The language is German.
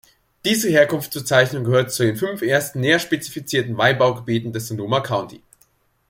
Diese Herkunftsbezeichnung gehört zu den fünf ersten näher spezifizierten Weinbaugebieten des Sonoma County.